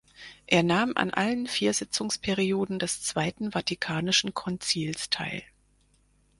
Er nahm an allen vier Sitzungsperioden des Zweiten Vatikanischen Konzils teil.